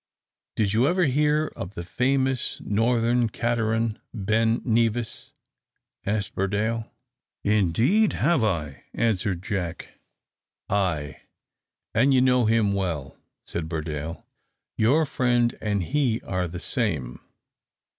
"Did you ever hear of the famous northern cateran, Ben Nevis?" asked Burdale. "Indeed have I!" answered Jack. "Ay, and you know him well," said Burdale; "your friend and he are the same.